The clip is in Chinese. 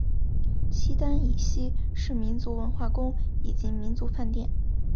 西单以西是民族文化宫以及民族饭店。